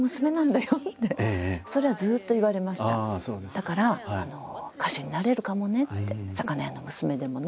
「だから歌手になれるかもね」って「魚屋の娘でもね」